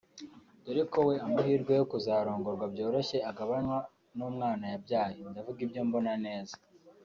dore ko we amahirwe yo kuzarongorwa byoroshye agabanywa n’umwana yabyaye…ndavuga ibyo mbona neza